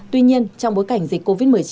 tuy nhiên trong bối cảnh dịch covid một mươi chín